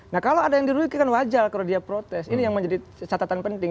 nah kalau ada yang dirugikan wajar kalau dia protes ini yang menjadi catatan penting